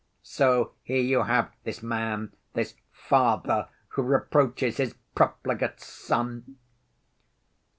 So here you have this man, this father who reproaches his profligate son!